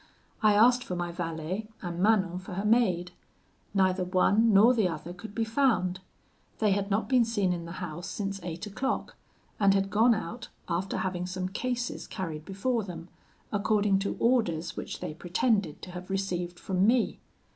I asked for my valet, and Manon for her maid; neither one nor the other could be found. They had not been seen in the house since eight o'clock, and had gone out, after having some cases carried before them, according to orders which they pretended to have received from me.